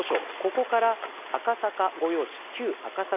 ここから赤坂御用地旧赤坂